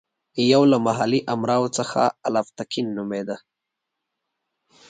یو له محلي امراوو څخه الپتکین نومېده.